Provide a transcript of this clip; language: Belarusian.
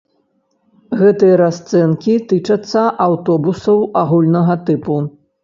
Гэтыя расцэнкі тычацца аўтобусаў агульнага тыпу.